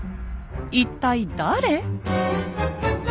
一体誰？